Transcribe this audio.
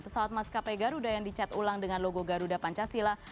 pesawat maskapai garuda yang dicat ulang dengan logo garuda pancasila